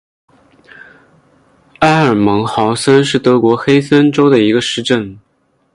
埃尔茨豪森是德国黑森州的一个市镇。